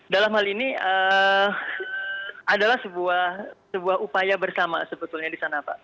dalam hal ini adalah sebuah upaya bersama sebetulnya di sana pak